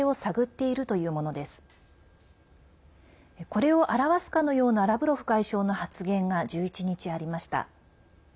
これを表すかのようなラブロフ外相の発言が１１日、ありました。